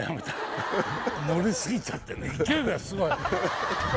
乗りすぎちゃってね。